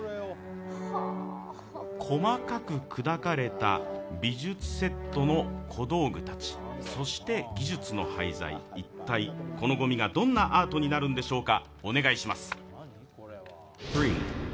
細かく砕かれた美術セットの小道具たち、そして技術の廃材、一体このごみがどんなアートになるんでしょうか。